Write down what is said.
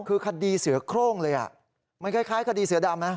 คือคดีเสือโครงเลยมันคล้ายคดีเสือดำไหม